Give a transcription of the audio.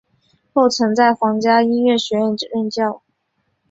后曾在皇家音乐学院任教。